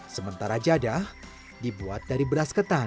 sementara jadah dibuat dari beras ketan